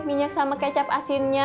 minyak sama kecap asinnya